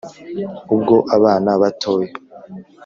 Ubwo abana batoya